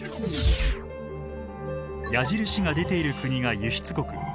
矢印が出ている国が輸出国。